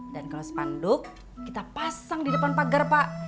dan kalau sepanduk kita pasang di depan pagar pak